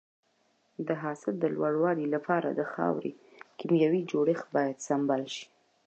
د حاصل د لوړوالي لپاره د خاورې کيمیاوي جوړښت باید سمبال شي.